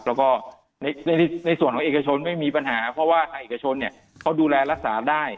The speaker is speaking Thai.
แล้วก็ในส่วนของเอกชนไม่มีปัญหาเพราะว่าทางเอกชนเนี่ยเขาดูแลรักษาได้